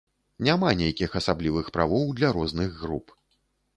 Няма нейкіх асаблівых правоў для розных груп.